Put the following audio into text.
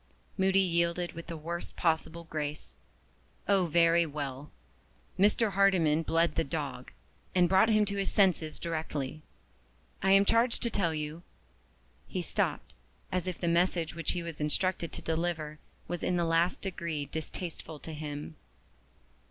'" Moody yielded with the worst possible grace. "Oh, very well! Mr. Hardyman bled the dog, and brought him to his senses directly. I am charged to tell you " He stopped, as if the message which he was instructed to deliver was in the last degree distasteful to him.